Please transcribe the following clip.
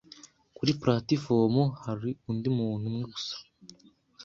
Kuri platifomu hari undi muntu umwe gusa.